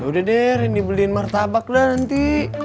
yaudah deh reni beliin martabak lah nanti